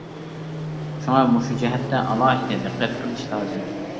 شۇڭا مۇشۇ جەھەتتە ئالاھىدە دىققەت قىلىش لازىم.